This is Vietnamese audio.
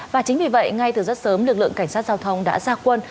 và chính vì vậy ngay từ rất sớm lực lượng cảnh sát giao thông đã ra quân